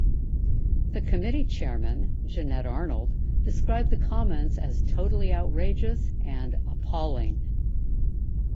The Committee chairman Jennette Arnold described the comments as "totally outrageous" and "appalling".